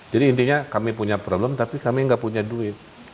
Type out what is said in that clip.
jadi intinya kami punya problem tapi kami nggak punya duit